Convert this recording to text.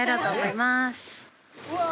・うわ！